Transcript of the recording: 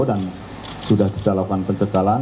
dan sudah kita lakukan pencegalan